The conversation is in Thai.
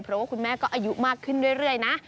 เพราะว่าคุณแม่ก็อายุมากขึ้นเรื่อยนะ